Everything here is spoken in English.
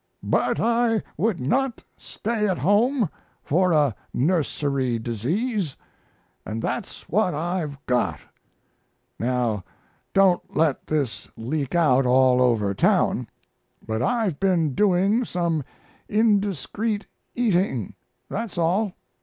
But I would not stay at home for a nursery disease, and that's what I've got. Now, don't let this leak out all over town, but I've been doing some indiscreet eating that's all.